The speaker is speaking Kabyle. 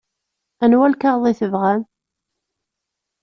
Anwa lkaɣeḍ i tebɣam?